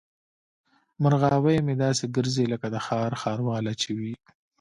مرغاوۍ مې داسې ګرځي لکه د ښار ښارواله چې وي.